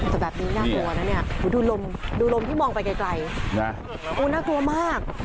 แต่แบบนี้น่ากลัวนะเนี่ยดูลมดูลมที่มองไปไกลนะโอ้น่ากลัวมาก